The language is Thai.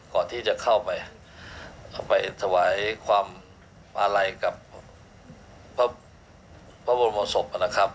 ก่อนที่จะเข้าไปถวายความอาลัยกับพระบรมศพนะครับ